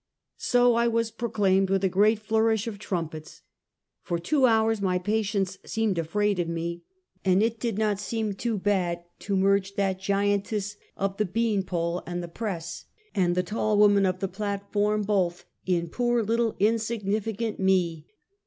So I was proclaimed, with a great flourish of trum pets. Tor two hours my patients seemed afraid of me, and it did seem too bad to merge that giantess of the bean pole and the press and the tall woman of the platform both in poor little insignificant me!